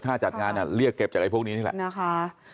ค่าจัดงานเรียกเก็บจากพวกนี้นี่แหละ